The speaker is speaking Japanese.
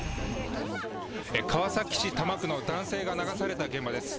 川崎市多摩区の男性が流された現場です。